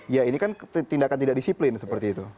ya ini kan tindakan tidak disiplin seperti itu